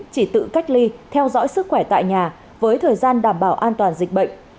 chỉ tự cách ly theo dõi sức khỏe tại nhà với thời gian đảm bảo an toàn dịch bệnh